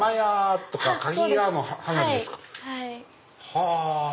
はぁ！